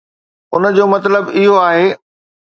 ان جو مطلب اهو آهي